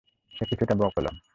সে কিছুটা ব-কলম।